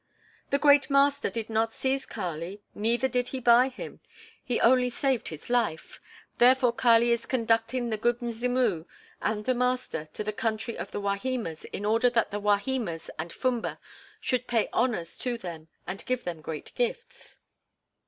"The great master did not seize Kali, neither did he buy him; he only saved his life; therefore Kali is conducting the 'Good Mzimu' and the master to the country of the Wahimas in order that the Wahimas and Fumba should pay honors to them and give them great gifts."